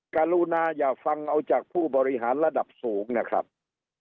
กรุณาอย่าฟังเอาจากผู้บริหารระดับสูงนะครับ